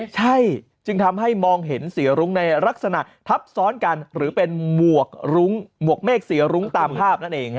ใช่จึงทำให้มองเห็นสีรุ้งในลักษณะทับซ้อนกันหรือเป็นหมวกรุ้งหมวกเมฆสีรุ้งตามภาพนั่นเอง